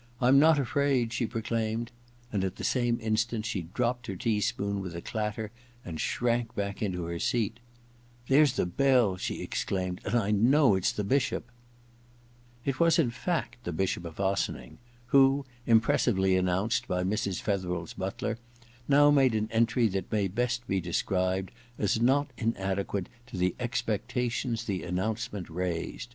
* I'm not afraid,' she proclaimed ; and at the 86 EXPIATION i same instant she dropped her tea spoon with a clatter and shrank back into her seat. ^ There's the bell/ she exclaimed, * and I know it's the Bishop!' It was in fact the Bishop of Ossining, who, impressively announced by Mrs. Fetherel's butler, now made an entry that may best be described as not inadequate to the expectations the announcement raised.